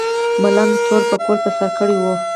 ملنګ تور پکول په سر کړی و.